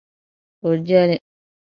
O je li.